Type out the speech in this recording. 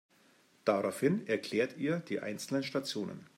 Daraufhin erklärt ihr die einzelnen Stationen.